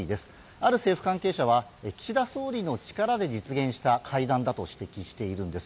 ある政府関係者は岸田総理の力で実現した会談だと指摘しているんです。